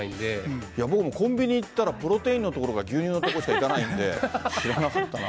僕もコンビニ行ったら、プロテインの所か牛乳の所しか行かないので、知らなかったな。